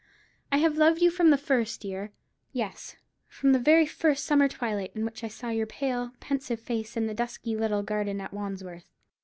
I have loved you from the first, dear—yes, from the very first summer twilight in which I saw your pale, pensive face in the dusky little garden at Wandsworth.